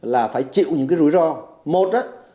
là phải chịu những rủi ro một